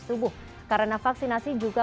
tubuh karena vaksinasi juga